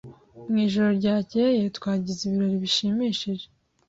Mu ijoro ryakeye twagize ibirori bishimishije.